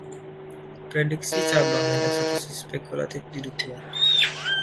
Prediksi cabang dan eksekusi spekulatif didukung.